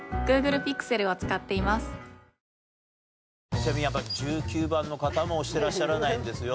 ちなみにやっぱり１９番の方も押してらっしゃらないんですよ。